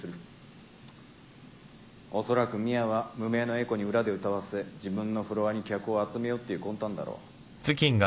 おそらくミアは無名の英子に裏で歌わせ自分のフロアに客を集めようっていう魂胆だろ。